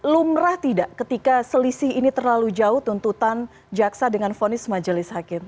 lumrah tidak ketika selisih ini terlalu jauh tuntutan jaksa dengan fonis majelis hakim